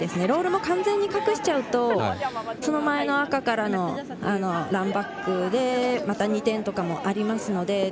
ロールも完全に隠しちゃうとその前の赤からのランバックでまた２点とかもありますので。